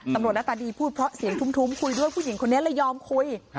หน้าตาดีพูดเพราะเสียงทุ่มคุยด้วยผู้หญิงคนนี้เลยยอมคุย